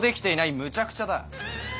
むちゃくちゃ！